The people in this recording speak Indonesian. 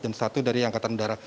dan satu dari angkatan darah